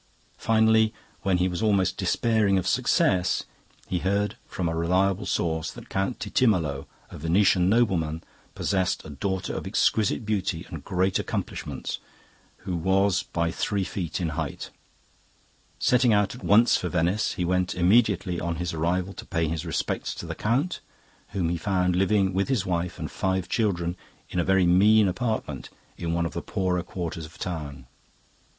Finally, when he was almost despairing of success, he heard from a reliable source that Count Titimalo, a Venetian nobleman, possessed a daughter of exquisite beauty and great accomplishments, who was by three feet in height. Setting out at once for Venice, he went immediately on his arrival to pay his respects to the count, whom he found living with his wife and five children in a very mean apartment in one of the poorer quarters of the town.